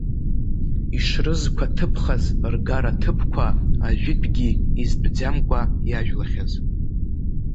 Ишрызқәаҭыԥхаз ргараҭыԥқәа, ажәытәгьы изтәӡамкәа иажәлахьаз.